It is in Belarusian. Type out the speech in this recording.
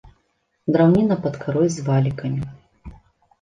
Драўніна пад карой з валікамі.